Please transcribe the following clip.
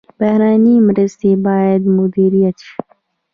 بهرنۍ مرستې باید مدیریت شي